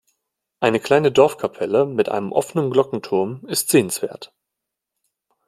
Eine kleine Dorfkapelle mit einem offenen Glockenturm ist sehenswert.